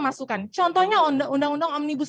masukan contohnya undang undang omnibus